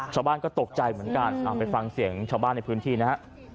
ชาวบ้านก็ตกใจเหมือนกันไปฟังเสียงชาวบ้านในพื้นที่นะฮะ